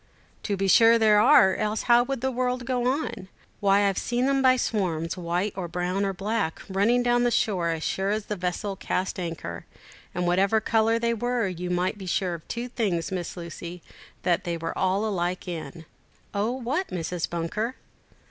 "To be sure there are, else how would the world go on? Why, I've seen 'em by swarms, white or brown or black, running down to the shore, as sure as the vessel cast anchor; and whatever colour they were, you might be sure of two things, Miss Lucy, that they were all alike in." "Oh, what, Mrs. Bunker?"